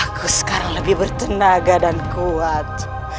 aku sekarang lebih bertenaga dan kuat